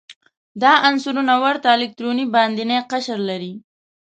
دا عنصرونه ورته الکتروني باندینی قشر لري.